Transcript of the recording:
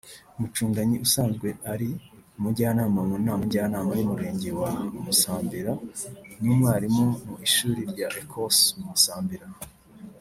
Mucundanyi usanzwe ari Umujyanama mu Nama Njyanama y’Umurenge wa Musambira n’Umwarimu mu Ishuri rya Ecose Musambira